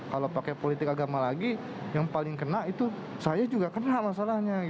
kalau pakai politik agama lagi yang paling kena itu saya juga kena masalahnya